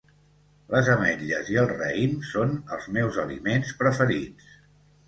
Les ametlles i el raïm són els meus aliments preferits